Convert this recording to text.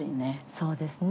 そうですね。